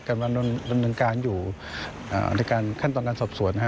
กำลังดำเนินการอยู่ในขั้นตอนการสอบสวนนะฮะ